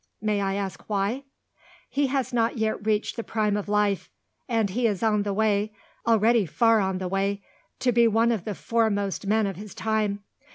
"May I ask why?" "He has not yet reached the prime of life; and he is on the way already far on the way to be one of the foremost men of his time.